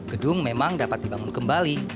gedung memang dapat dibangun kembali